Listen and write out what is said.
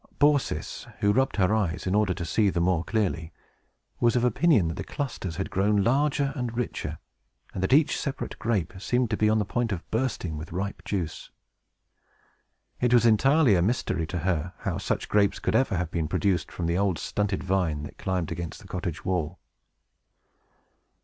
Baucis (who rubbed her eyes, in order to see the more clearly) was of opinion that the clusters had grown larger and richer, and that each separate grape seemed to be on the point of bursting with ripe juice. It was entirely a mystery to her how such grapes could ever have been produced from the old stunted vine that climbed against the cottage wall.